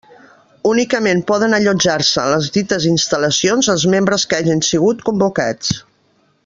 Únicament poden allotjar-se en les dites instal·lacions els membres que hagen sigut convocats.